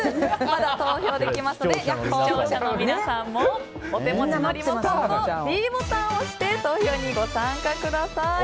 まだ投票できますので視聴者の皆さんもお手持ちのリモコンのｄボタンを押して投票にご参加ください。